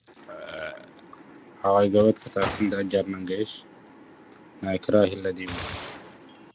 Approximately three hundred families were in the first group.